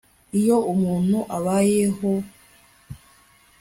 Iyo umuntu abayeho